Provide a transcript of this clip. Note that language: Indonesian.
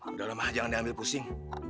udah lah ma jangan diambil pusing